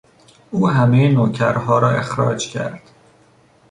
او همهی نوکرها را اخراج کرد.